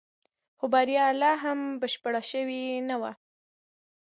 خو بريا لا هم بشپړه شوې نه وه.